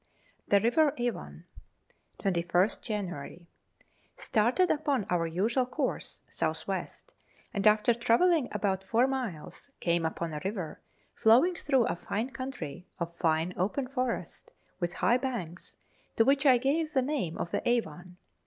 The River Avon. 21st January. Started upon our usual course (south west), and, after travelling about four miles, came upon a river flowing through a fine country of fine, open forest, with high banks, to which I gave the name of the Avon.